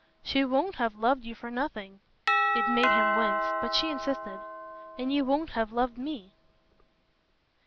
"She won't have loved you for nothing." It made him wince, but she insisted. "And you won't have loved ME."